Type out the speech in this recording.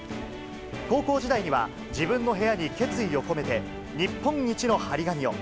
高校時代には、自分の部屋に決意を込めて、日本一の貼り紙を。